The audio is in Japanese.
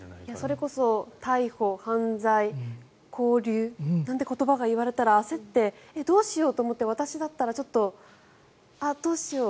それこそ、逮捕、犯罪勾留なんて言葉を言われたら焦って、どうしようと思って私だったらちょっとあっ、どうしよう